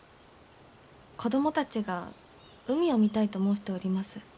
子供たちが海を見たいと申しております。